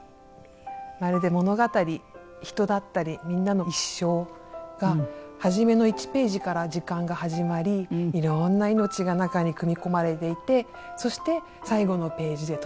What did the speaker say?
まるで物語人だったりみんなの一生が初めの１ページから時間が始まり色んな命が中に組み込まれていてそして最後のページで閉じる。